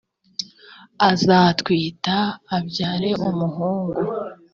azatwita abyare umuhungu